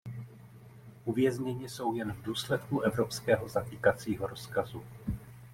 Uvězněni jsou jen v důsledku evropského zatýkacího rozkazu.